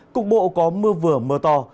cục bộ có mưa vừa mưa to